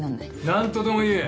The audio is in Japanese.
何とでも言え。